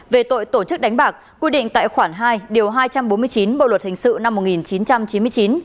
về tội tổ chức đánh bạc quy định tại khoản hai điều hai trăm bốn mươi chín bộ luật hình sự năm một nghìn chín trăm chín mươi chín